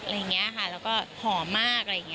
อะไรอย่างนี้ค่ะแล้วก็หอมมากอะไรอย่างนี้